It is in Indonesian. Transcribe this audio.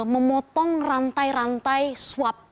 memotong rantai rantai swap